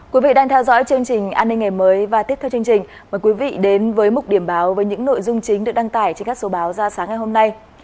quý vị đang theo dõi chương trình an ninh ngày mới và tiếp theo chương trình mời quý vị đến với mục điểm báo với những nội dung chính được đăng tải trên các số báo ra sáng ngày hôm nay